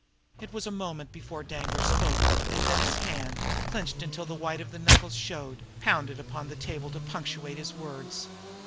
It was a moment before Danglar spoke; and then his hand, clenched until the white of the knuckles showed, pounded upon the table to punctuate his words.